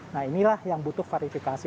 nah inilah yang butuh verifikasi